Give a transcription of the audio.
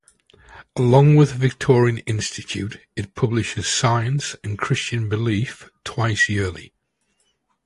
Along with the Victoria Institute, it publishes "Science and Christian Belief" twice yearly.